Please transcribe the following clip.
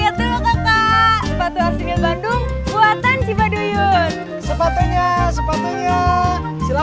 fellows suka ya